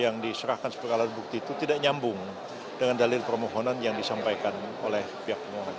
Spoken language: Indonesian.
yang diserahkan sebagai alat bukti itu tidak nyambung dengan dalil permohonan yang disampaikan oleh pihak pemohon